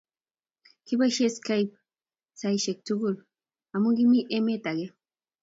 Kiboishee Skype saihek tukul ami kimii emet ake